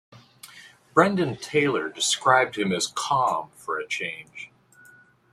Brendan Taylor described him as calm, for a change.